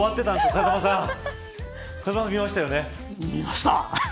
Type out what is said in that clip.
風間さんは見ましたよね。